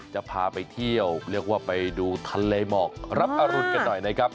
จะพาไปเที่ยวเรียกว่าไปดูทะเลหมอกรับอรุณกันหน่อยนะครับ